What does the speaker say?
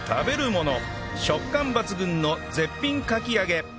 食感抜群の絶品かき揚げ